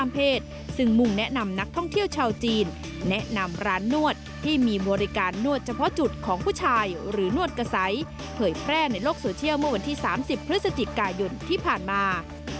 ๑๐พฤศจิกายนที่ผ่านมา